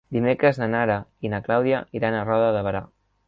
Dimecres na Nara i na Clàudia iran a Roda de Berà.